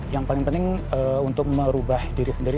yang paling penting untuk merubah diri sendiri